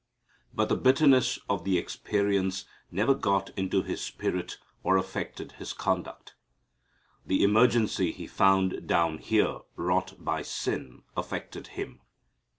But the bitterness of the experience never got into His spirit or affected His conduct. The emergency He found down here wrought by sin affected Him.